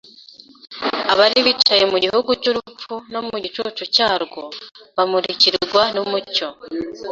abari bicaye mu gihugu cy’urupfu no mu gicucu cyarwo bamurikirwa n’umucyo.